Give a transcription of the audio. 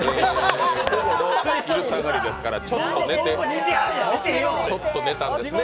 午後の昼下がりですからちょっと寝たんですね